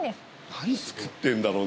何作ってんだろうな。